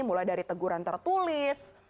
mulai dari teguran tertulis